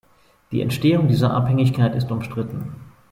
Die Entstehung dieser Abhängigkeit ist umstritten.